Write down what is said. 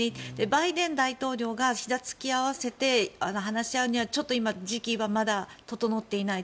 バイデン大統領がひざを突き合わせて話し合うにはちょっと時期がまだ整っていない。